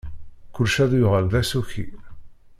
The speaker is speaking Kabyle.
Kullec ad yuɣal d asuki.